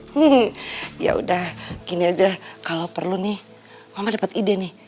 hihihi yaudah gini aja kalo perlu nih mama dapet ide nih